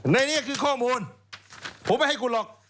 ในนี้คือข้อมูลผมไม่ให้คุณหรอก